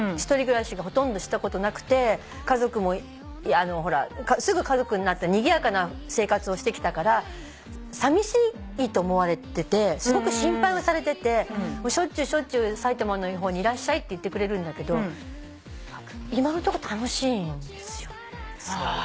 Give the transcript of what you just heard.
１人暮らしほとんどしたことなくて家族もすぐ家族になったにぎやかな生活をしてきたからさみしいと思われててすごく心配をされててしょっちゅうしょっちゅう埼玉の方にいらっしゃいって言ってくれるんだけど今のとこ楽しいんですよ。